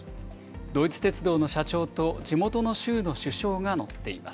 ドイツ鉄道の社長と、地元の州の首相が乗っています。